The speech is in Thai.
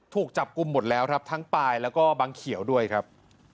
ถูกจับกลุ่มหมดแล้วครับทั้งปายแล้วก็บังเขียวด้วยครับ